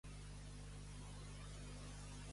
On va anar llavors Antàlcides?